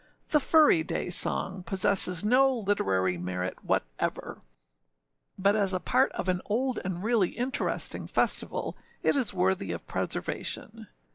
The Furry day Song possesses no literary merit whatever; but as a part of an old and really interesting festival, it is worthy of preservation.